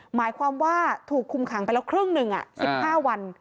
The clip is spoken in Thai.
หมายความว่าถูกคุมขังไปแล้วครึ่งหนึ่ง๑๕วัน